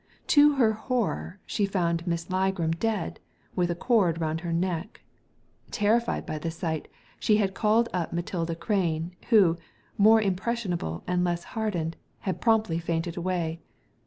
To her horror she found Miss Ligram dead, with a cord round her neck. Terrified by the sight, she had called up Matilda Crane, who, more impressionable and less hardened, had promptly fainted away.